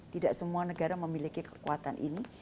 tidak semua negara memiliki kekuatan ini